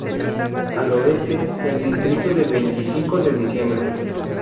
Al oeste el distrito de Veinticinco de diciembre.